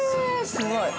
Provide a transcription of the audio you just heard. すごい。